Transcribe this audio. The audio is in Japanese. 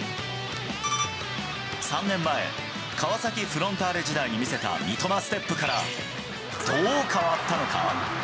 ３年前、川崎フロンターレ時代に見せた三笘ステップから、どう変わったのか。